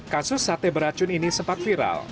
kasus sate beracun ini sempat viral